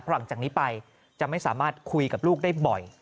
หลังจากนี้ไปจะไม่สามารถคุยกับลูกได้บ่อย